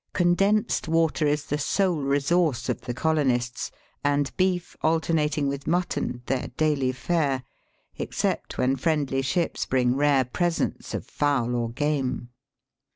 Condensed water is the sole resource of the colonists, and beef alter nating with mutton their daily fare, except when friendly ships bring rare presents of fowl or game.